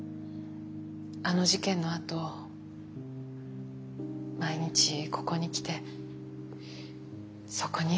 あの事件のあと毎日ここに来てそこに座って祈ってた。